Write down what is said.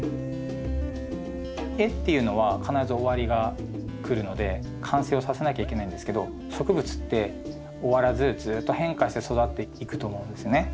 絵っていうのは必ず終わりがくるので完成をさせなきゃいけないんですけど植物って終らずずっと変化して育っていくと思うんですね。